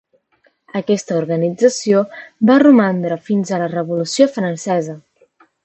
Aquesta organització va romandre fins a la Revolució Francesa.